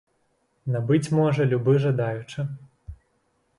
Набыць можа любы жадаючы.